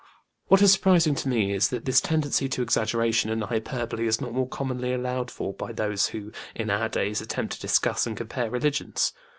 What is surprising to me is that this tendency to exaggeration and hyperbole is not more commonly allowed for by those who in our days attempt to discuss and compare religions.